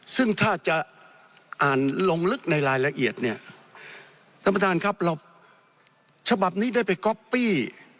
ซึ่งถ้าจะอ่านลงลึกในรายละเอียดเนี่ยท่านประธานครับเราฉบับนี้ได้ไปก๊อปปี้